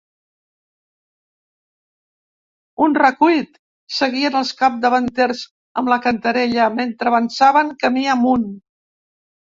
Un recuit! —seguien els capdavanters amb la cantarella, mentre avançaven camí amunt.